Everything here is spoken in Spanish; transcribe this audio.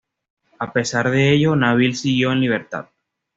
A pesar de ello, Nabil siguió en libertad.